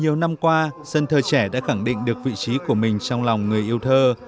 nhiều năm qua dân thơ trẻ đã khẳng định được vị trí của mình trong lòng người yêu thơ